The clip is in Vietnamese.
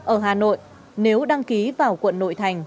ở hà nội nếu đăng ký vào quận nội thành